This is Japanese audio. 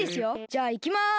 じゃあいきます。